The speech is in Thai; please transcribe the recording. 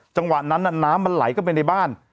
จังหวะนั้นน้ำมันไหลเข้าไปในบ้าน